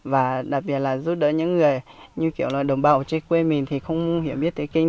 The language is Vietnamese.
và đặc biệt là giúp đỡ những người như kiểu là đồng bào ở trên quê mình thì không hiểu biết tiếng kinh